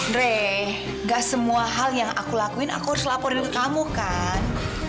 dre gak semua hal yang aku lakuin aku harus laporin ke kamu kan